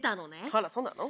あらそうなの？